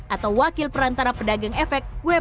atau wakil perantara pedagang efek